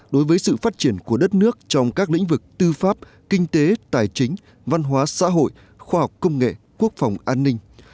đối với sự phát triển của đất nước trong các lĩnh vực tư pháp kinh tế tài chính văn hóa xã hội khoa học công nghệ quốc phòng an ninh